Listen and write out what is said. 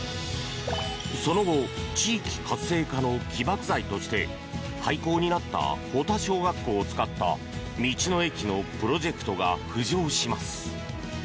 その後地域活性化の起爆剤として廃校になった保田小学校を使った道の駅のプロジェクトが浮上します。